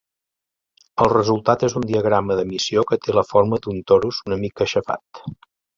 El resultat és un diagrama d'emissió que té la forma d'un torus una mica aixafat.